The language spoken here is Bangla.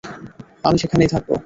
আমি সেখানেই থাকব।